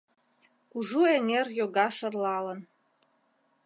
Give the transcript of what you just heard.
Кужу эҥер йога шарлалын